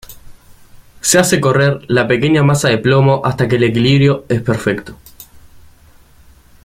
Se hace correr la pequeña masa de plomo hasta que el equilibrio es perfecto.